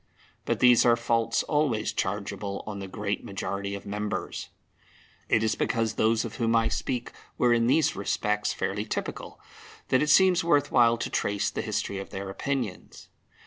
But these are faults always chargeable on the great majority of members. It is because those of whom I speak were in these respects fairly typical, that it seems worth while to trace the history of their opinions.